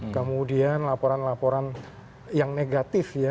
kemudian laporan laporan yang negatif ya